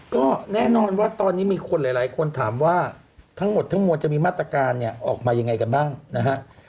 ก็แน่นอนว่าตอนนี้มีคนหลายคนถามว่าทั้งหมดทั้งมวลจะมีมาตรการเนี่ยออกมายังไงกันบ้างนะฮะ